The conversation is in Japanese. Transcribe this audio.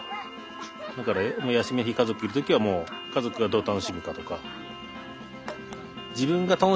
だから休みの日家族いる時はもう家族がどう楽しむかとか。